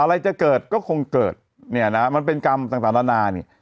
อะไรจะเกิดก็คงเกิดเนี่ยนะมันเป็นกรรมต่างนานานี่